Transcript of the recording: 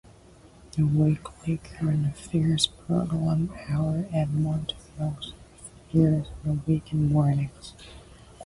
A weekly current affairs program, "Our Edmonton" also airs on weekend mornings.